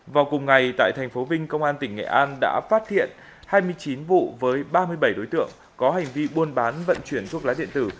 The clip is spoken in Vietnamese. vào cùng ngày tại thành phố vinh công an tỉnh nghệ an đã phát hiện hai mươi chín vụ với ba mươi bảy đối tượng có hành vi buôn bán vận chuyển thuốc lá điện tử